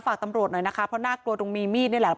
ฝากตำรวจหน่อยนะคะเพราะน่ากลัวตรงมีมีดนี่แหละ